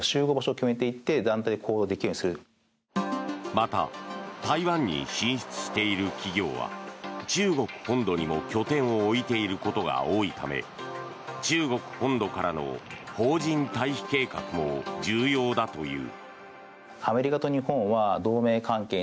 また台湾に進出している企業は中国本土にも拠点を置いていることが多いため中国本土からの邦人退避計画も重要だという。